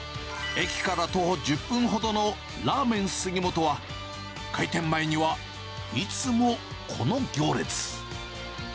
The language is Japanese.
駅から徒歩１０分ほどのらぁめんすぎ本は、開店前にはいつもこの行列。